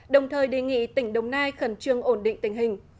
đồng thời đề nghị tỉnh đồng nai khẩn trương ổn định tình hình